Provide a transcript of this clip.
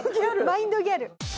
マインドギャル。